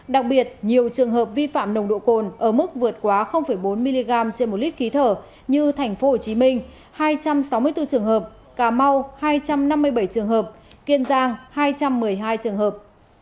đặc biệt nhiều trường hợp vi phạm nồng độ cồn ở mức vượt quá bốn mg trên một lít khí thở như tp hcm hai trăm sáu mươi bốn trường hợp cà mau hai trăm năm mươi bảy trường hợp kiên giang hai trăm một mươi hai trường hợp